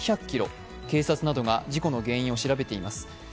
警察などが事故の原因を調べています。